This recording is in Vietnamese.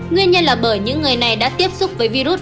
nguyên nhân là bởi những người này đã tiếp xúc với virus